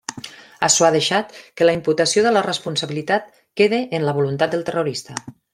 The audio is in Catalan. Açò ha deixat que la imputació de la responsabilitat quede en la voluntat del terrorista.